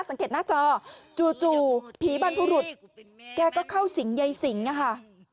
สังเกตหน้าจอจู่ผีบรรพบุรุษแกก็เข้าสิงยายสิงนะคะ